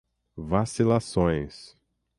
vacilações